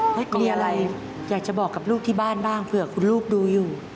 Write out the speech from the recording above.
มีอะไรอยากจะบอกกับลูกที่บ้านบ้างเผื่อคุณลูกดูอยู่